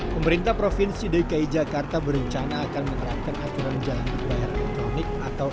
pemerintah provinsi dki jakarta berencana akan menerapkan aturan jalan berbayar elektronik atau